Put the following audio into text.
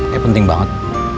ya penting banget